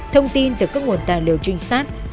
thông tin từ các nguồn tài liệu trinh sát